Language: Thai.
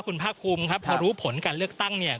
คุณภาคภูมิครับพอรู้ผลการเลือกตั้งเนี่ย